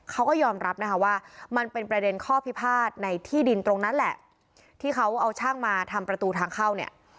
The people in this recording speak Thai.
เขาก็ยอมรับนะคะว่ามันเป็นประเด็นข้อพิพาทในที่ดินตรงนั้นแหละที่เขาเอาช่างมาทำประตูทางเข้าเนี่ย